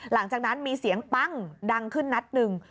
หลังจากนั้นมีเสียงปั้งดังขึ้นนัดหนึ่ง